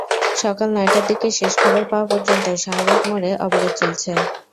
সকাল নয়টার দিকে শেষ খবর পাওয়া পর্যন্ত শাহবাগ মোড়ে অবরোধ চলছে।